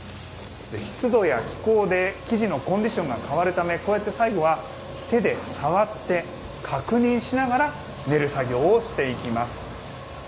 湿度や気候で、生地のコンディションが変わるためこうやって最後は手で触って確認しながら練る作業をしていきます。